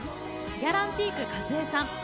ギャランティーク和恵さん。